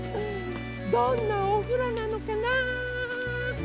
どんなおふろなのかな。